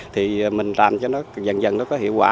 thì mình làm cho nó dần dần nó có hiệu quả